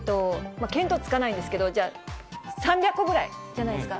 見当つかないんですけど、じゃあ、３００個ぐらいじゃないですか？